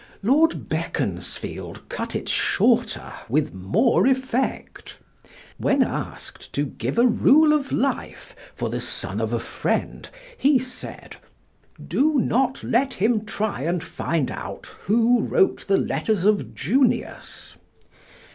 Lord Beaconsfield cut it shorter with more effect. When asked to give a rule of life for the son of a friend he said, "Do not let him try and find out who wrote the letters of Junius."